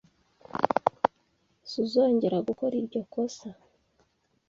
S Suzongera gukora iryo kosa.